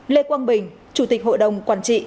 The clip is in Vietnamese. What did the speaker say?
lê quang bình chủ tịch hội đồng quản trị